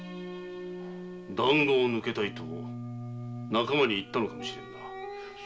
「談合を抜けたい」と仲間に言ったのかもしれぬな。